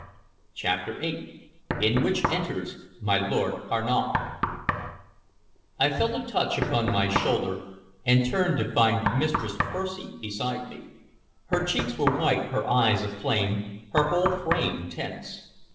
CHAPTER VIII IN WHICH ENTERS MY LORD CARNAL I FELT a touch upon my shoulder, and turned to find Mistress Percy beside me. Her cheeks were white, her eyes aflame, her whole frame tense.